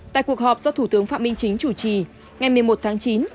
tại cuộc họp do thủ tướng phạm minh chính chủ trì ngày một mươi một tháng chín